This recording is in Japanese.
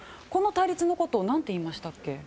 この対立のことを何て言いましたっけ？